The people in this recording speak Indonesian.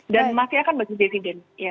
dan masih akan berkembang